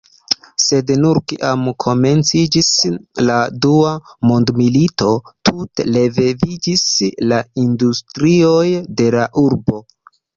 Sed nur kiam komenciĝis la dua mondmilito tute reviviĝis la industrioj de la urbo.